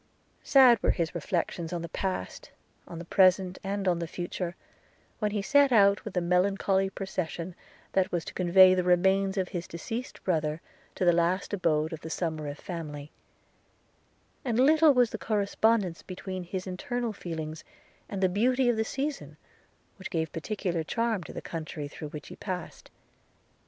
Sad were his reflections on the past, on the present, and on the future, when he set out with the melancholy procession that was to convey the remains of his deceased brother to the last abode of the Somerive family; and little was the correspondence between his internal feelings and the beauty of the season, which gave peculiar charms to the country through which he passed.